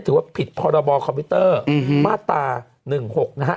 ถือว่าผิดพรบคอมพิวเตอร์มาตรา๑๖นะฮะ